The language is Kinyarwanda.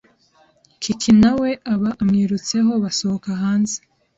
Kiki nawe aba amwirutseho basohoka hanze